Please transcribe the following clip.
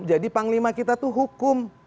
jadi panglima kita itu hukum